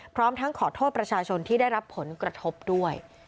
พร้อมทั้งขอโทษประชาชนที่ได้รับผลกระทบด้วย